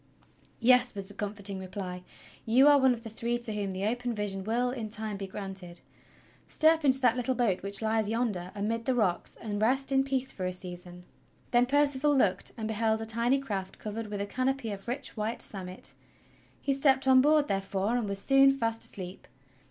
"Yes," was the comforting repljs "you are one of the three to whom the open vision will in time be granted. Step into that little boat which lies yonder amid the rocks, and rest in peace for a THEN HE SAW THAT THE MAN WAS BORS" 130 THE STORY OF KING ARTHUR Then Percival looked, and beheld a tiny craft covered with a canopy of rich white samite. He stepped on board, therefore, and was soon fast asleep.